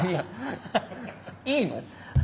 いいの？